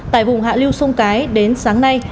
tại vùng hạ lưu sông cái đến sáng nay